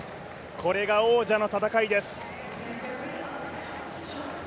これが王者の戦いです。